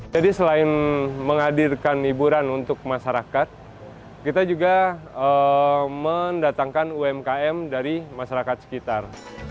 jadi selain menghadirkan hiburan untuk masyarakat kita juga mendatangkan umkm dari masyarakat sekitar